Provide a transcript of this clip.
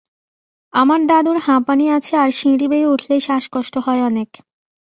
আমার দাদুর হাঁপানি আছে আর সিঁড়ি বেয়ে উঠলেই শ্বাস কষ্ট হয় অনেক।